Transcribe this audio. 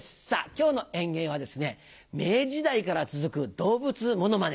今日の演芸はですね明治時代から続く動物モノマネ